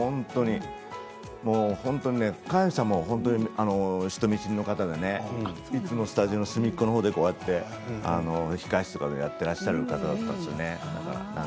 本当に川栄さんも人見知りな方でねいつもスタジオの隅っこで控え室でやっていらっしゃる方だったんですよね。